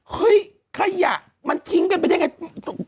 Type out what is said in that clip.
เฮ้ยขยะมันทิ้งกันไปได้ยังไง